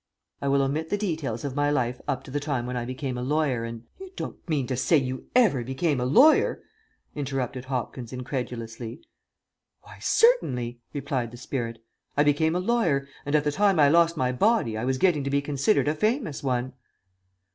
"I will omit the details of my life up to the time when I became a lawyer and " "You don't mean to say you ever became a lawyer?" interrupted Hopkins, incredulously. "Why, certainly," replied the spirit; "I became a lawyer, and at the time I lost my body I was getting to be considered a famous one."